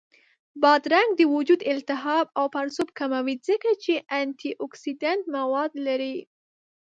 بادرنګ د وجود التهاب او پړسوب کموي، ځکه چې انټياکسیدنټ مواد لري